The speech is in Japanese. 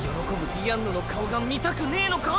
ディアンヌの顔が見たくねぇのか？